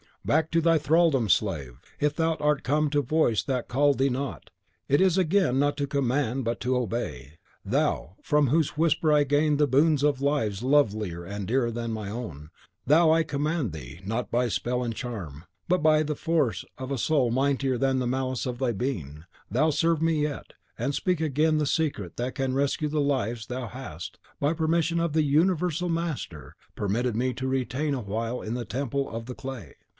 "Back to thy thraldom, slave! If thou art come to the voice that called thee not, it is again not to command, but to obey! Thou, from whose whisper I gained the boons of the lives lovelier and dearer than my own; thou I command thee, not by spell and charm, but by the force of a soul mightier than the malice of thy being, thou serve me yet, and speak again the secret that can rescue the lives thou hast, by permission of the Universal Master, permitted me to retain awhile in the temple of the clay!"